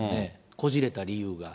こじれた理由が。